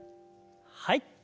はい。